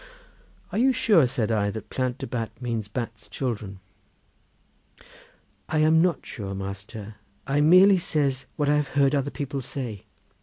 "Are you sure?" said I, "that Plant de Bat means Bat's children?" "I am not sure, master; I merely says what I have heard other people say.